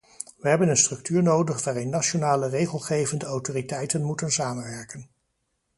We hebben een structuur nodig waarin nationale regelgevende autoriteiten moeten samenwerken.